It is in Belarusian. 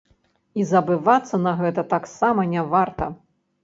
І забывацца на гэта таксама не варта.